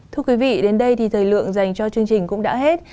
thưa quý vị đến đây thì thời lượng dành cho chương trình cũng đã hết